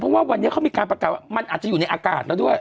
เพราะว่าวันนี้เขามีการประกาศว่ามันอาจจะอยู่ในอากาศแล้วด้วย